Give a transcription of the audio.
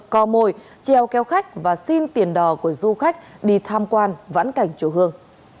co mồi treo keo khách và xin tiền đò của du khách đi tham quan vãn cảnh chỗ hương